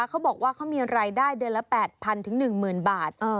เขาบอกว่าเขามีรายได้เดือนละ๘๐๐๑๐๐บาท